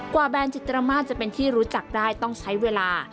แบนจิตรมาสจะเป็นที่รู้จักได้ต้องใช้เวลา